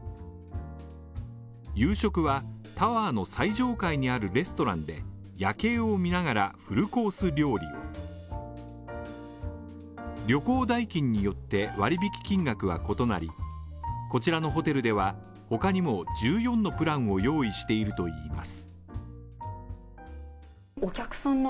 夕食は、タワーの最上階にあるレストランで夜景を見ながら、フルコース料理を旅行代金によって割引金額は異なり、こちらのホテルでは他にも１４のプランを用意しているといいます。